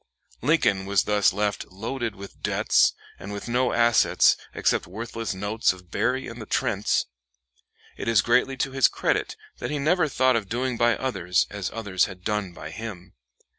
Lincoln was thus left loaded with debts, and with no assets except worthless notes of Berry and the Trents. It is greatly to his credit that he never thought of doing by others as others had done by him.